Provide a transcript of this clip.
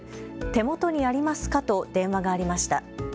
手元にありますかと電話がありました。